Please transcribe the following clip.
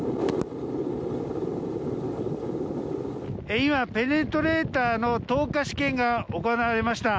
今、ペネトレータの投下試験が行われました。